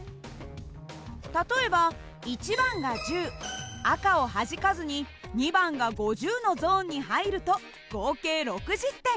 例えば１番が１０赤をはじかずに２番が５０のゾーンに入ると合計６０点。